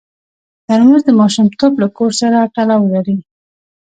ترموز د ماشومتوب له کور سره تړاو لري.